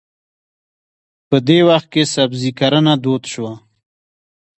په دې وخت کې سبزي کرنه دود شوه.